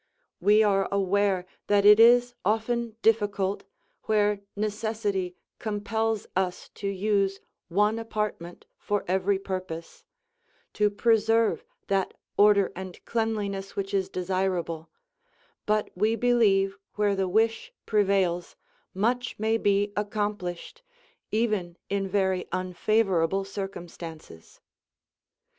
We are aware that it is often difficult, where necessity compels us to use one apartment for every purpose, to preserve that order and cleanliness which is desirable, but we believe where the wish prevails, much may be accomplished, even in very unfavorable circumstances.